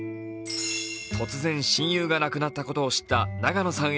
突然、親友が亡くなったことを知った永野さん